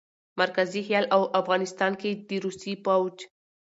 مرکزي خيال او افغانستان کښې د روسي فوج